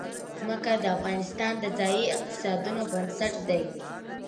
ځمکه د افغانستان د ځایي اقتصادونو بنسټ دی.